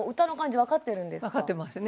分かってますね。